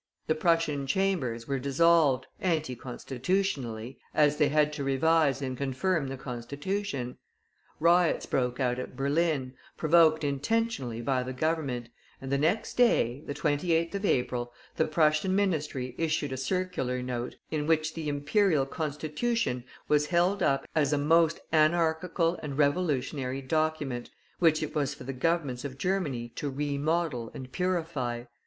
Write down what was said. The Prussian Chambers were dissolved, anti constitutionally, as they had to revise and confirm the Constitution; riots broke out at Berlin, provoked intentionally by the Government, and the next day, the 28th of April, the Prussian Ministry issued a circular note, in which the Imperial Constitution was held up as a most anarchical and revolutionary document, which it was for the Governments of Germany to remodel and purify.